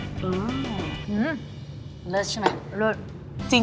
เลือดใช่ปะ